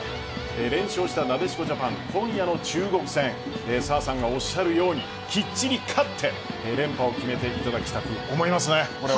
連勝した、なでしこジャパン今夜の中国戦澤さんがおっしゃるようにきっちり勝って連覇を決めていただきたく思います。